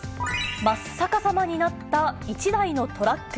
真っ逆さまになった１台のトラック。